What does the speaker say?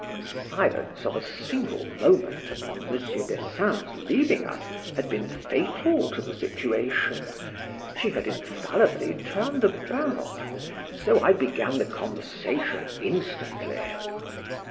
A silence of a single moment upon Mons. Dessein's leaving us, had been fatal to the situation—she had infallibly turned about;—so I begun the conversation instantly.